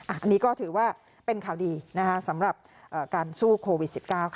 อันนี้ก็ถือว่าเป็นข่าวดีสำหรับการสู้โควิด๑๙ค่ะ